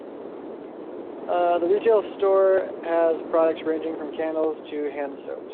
The retail store has products ranging from candles to hand soaps.